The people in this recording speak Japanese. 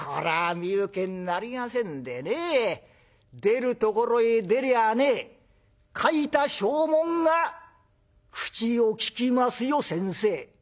身請けになりませんでね出るところへ出りゃあね書いた証文が口を利きますよ先生」。